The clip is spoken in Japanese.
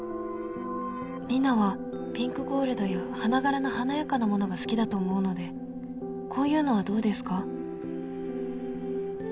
「リナはピンクゴールドや花柄の華やかなものが好きだと思うのでこういうのはどうですか？」。